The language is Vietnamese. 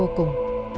con vô cùng